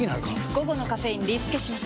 午後のカフェインリスケします！